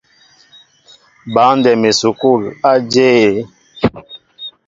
Băndɛm esukul a jȇl yé?